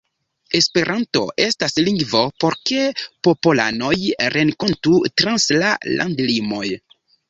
Esperanto estas lingvo por ke popolanoj renkontu trans la landlimoj.